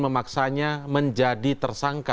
memaksanya menjadi tersangka